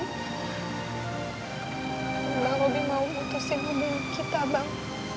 memang robi mau putusin hubungan kita bang